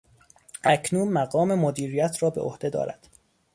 اکنون مقام مدیریت را به عهده دارد.